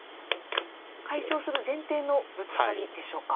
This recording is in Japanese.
解消する前提のブツカリでしょうか。